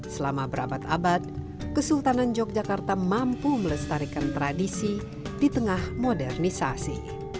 selama berabad abad kesultanan yogyakarta mampu melestarikan tradisi di tengah modernisasi